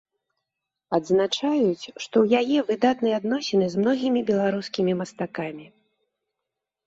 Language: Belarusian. Адзначаюць, што ў яе выдатныя адносіны з многімі беларускімі мастакамі.